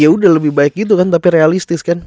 yaudah lebih baik gitu kan tapi realistis kan